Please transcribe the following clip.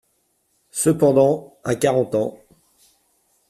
Cependant, à quarante ans…